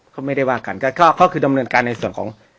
เขาไม่ได้ว่ากันก็คือเขาคือดำเนินการในส่วนของ